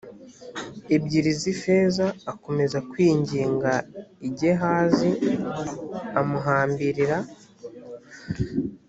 ebyiri z ifeza akomeza kwinginga i gehazi amuhambirira